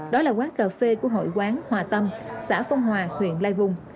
đó là quán cà phê của hội quán hòa tâm xã phong hòa huyện lai vùng